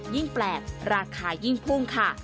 ยิ่งแปลกราคายิ่งพุ่งค่ะ